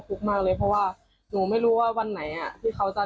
แล้วอีกอย่างหนึ่งฝั่งลูกเลี่ยนเขาก็อ้างว่า